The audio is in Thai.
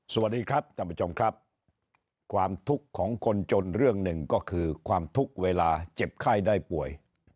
สวัสดีครับท่านผู้ชมครับความทุกข์ของคนจนเรื่องหนึ่งก็คือความทุกข์เวลาเจ็บไข้ได้ป่วย